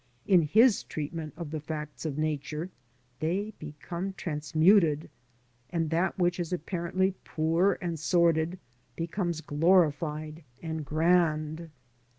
In his treatment of the facts of Nature they become transmuted, and that which is apparently poor and sordid becomes glorified and grand.